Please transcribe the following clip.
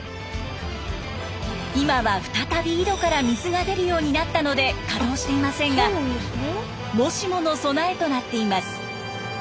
今は再び井戸から水が出るようになったので稼働していませんがもしもの備えとなっています。